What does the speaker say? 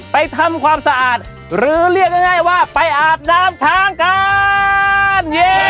ทำความสะอาดหรือเรียกง่ายว่าไปอาบน้ำช้างกัน